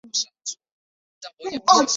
巨型羽翅鲎则发现于维吉尼亚州。